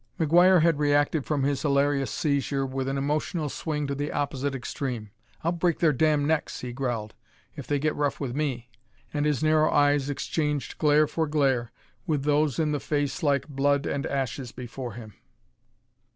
McGuire had reacted from his hilarious seizure with an emotional swing to the opposite extreme. "I'll break their damn necks," he growled, "if they get rough with me." And his narrow eyes exchanged glare for glare with those in the face like blood and ashes before him.